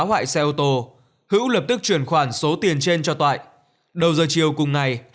hoại xe ô tô hữu lập tức chuyển khoản số tiền trên cho toại đầu giờ chiều cùng ngày